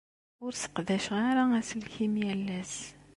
Ur sseqdaceɣ ara aselkim yal ass.